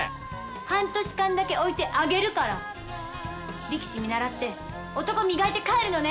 半年間だけ置いてあげるから力士見習って男磨いて帰るのね。